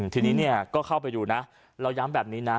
ทีนี้เนี่ยก็เข้าไปดูนะเราย้ำแบบนี้นะ